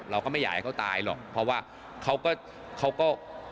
เราก็ไม่อยากให้เขาตายหรอกเพราะว่าเขาก็เขาก็